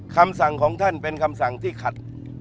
คำสั่งของท่านเป็นคำสั่งที่ขัด